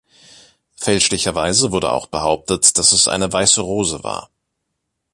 Fälschlicherweise wurde auch behauptet, dass es eine weiße Rose war.